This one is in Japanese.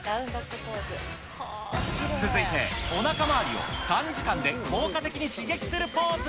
続いておなか周りを短時間で効果的に刺激するポーズ。